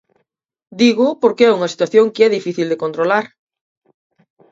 Dígoo porque é unha situación que é difícil de controlar.